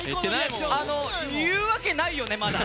言うわけないよね、まだ。